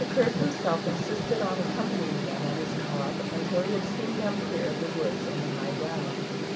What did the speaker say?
Kirke himself insisted on accompanying them on his cob until he had seen them clear of the woods on the high ground.